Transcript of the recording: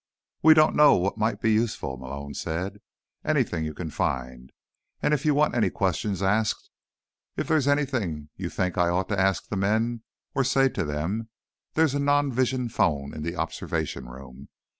"We don't know what might be useful," Malone said. "Anything you can find. And if you want any questions asked—if there's anything you think I ought to ask the men, or say to them—there's a non vision phone in the observation room.